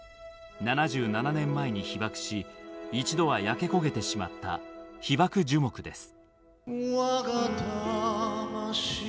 ７７年前に被爆し一度は焼け焦げてしまった「被爆樹木」です。